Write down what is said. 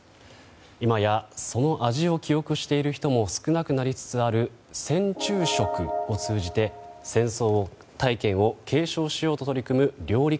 今やその味を記憶している人も少なくなりつつある戦中食を通じて戦争体験を継承しようと取り組む料理